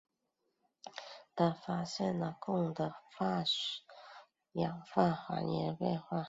他发现了汞的氧化还原反应。